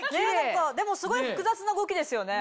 でもすごい複雑な動きですよね。